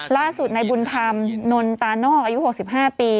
ล่าสุดในบุญธรรมนนตานอกอายุ๖๕ปี